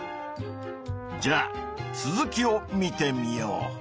じゃあ続きを見てみよう。